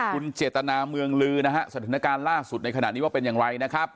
คุณเจตนาเมืองลือนะฮะสถานการณ์ล่าสุดในขณะนี้ว่าเป็นอย่างไรนะครับ